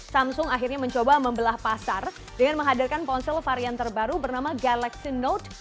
samsung akhirnya mencoba membelah pasar dengan menghadirkan ponsel varian terbaru bernama galaxy note